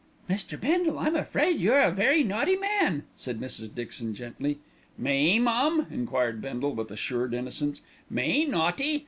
"Mr. Bindle, I'm afraid you are a very naughty man," said Mrs. Dixon gently. "Me, mum?" enquired Bindle with assumed innocence. "Me naughty?